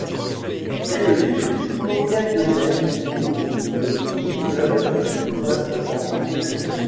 Dès le début, son enquête le mène au de l'immeuble du trust en construction.